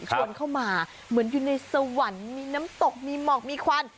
ชวนเข้ามาเหมือนอยู่ในสวรรค์มีน้ำตกมีหมอกมีควัน